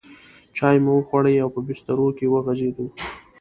چای مو وخوړې او په بسترو کې وغځېدو.